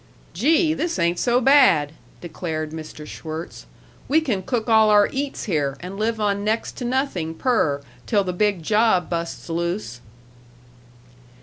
"Gee! this ain't so bad," declared Mr. Schwirtz. "We can cook all our eats here, and live on next to nothing per, till the big job busts loose."